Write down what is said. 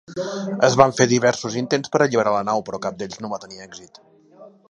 Es van fer diversos intents per alliberar la nau, però cap d'ells no va tenir èxit.